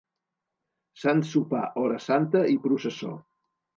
Sant Sopar, Hora Santa i processó.